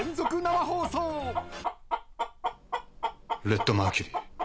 レッドマーキュリー！